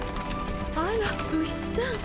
あらウシさん。